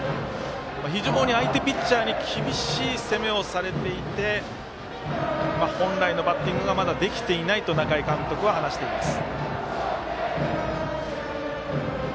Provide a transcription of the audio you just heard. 非常に相手ピッチャーに厳しい攻めをされていて本来のバッティングがまだできていないと中井監督は話しています。